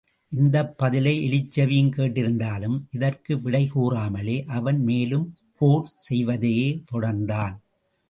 இந்தப் பதிலை எலிச்செவியும் கேட்டிருந்தாலும் இதற்கு விடை கூறாமலே அவன் மேலும் போர் செய்வதையே தொடர்ந்தான்.